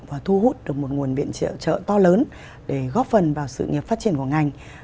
và thu hút được một nguồn biện trợ trợ to lớn để góp phần vào sự nghiệp phát triển của ngành